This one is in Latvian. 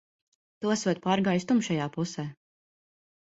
Tu esot pārgājis tumšajā pusē.